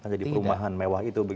jadi perumahan mewah itu